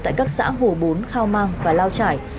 tại các xã hồ bốn khao mang và lao trải